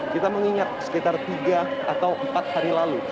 kita mengingat sekitar tiga atau empat hari lalu